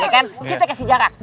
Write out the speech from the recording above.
kita kasih jarak